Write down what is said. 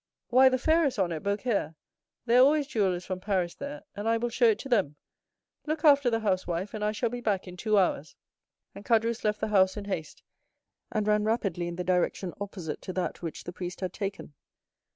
"Why, the fair is on at Beaucaire, there are always jewellers from Paris there, and I will show it to them. Look after the house, wife, and I shall be back in two hours," and Caderousse left the house in haste, and ran rapidly in the direction opposite to that which the priest had taken.